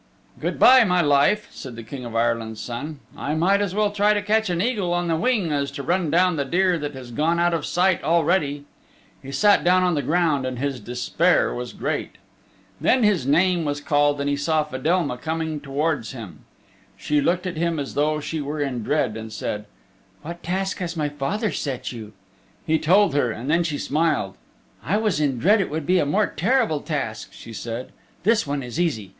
"Good by, my life," said the King of Ireland's Son, "I might as well try to catch an eagle on the wing as to run down the deer that has gone out of sight already." He sat down on the ground and his despair was great. Then his name was called and he saw Fedelma coming towards him. She looked at him as though she were in dread, and said, "What task has my father set you?" He told her and then she smiled. "I was in dread it would be a more terrible task," she said. "This one is easy.